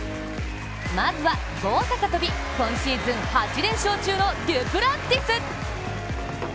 まずは棒高跳び、今シーズン８連勝中のデュプランティス。